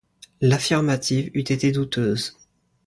L’affirmative eût été douteuse.